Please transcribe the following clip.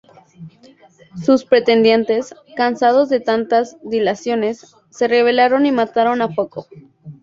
Sus pretendientes, cansados de tantas dilaciones, se rebelaron y mataron a Foco.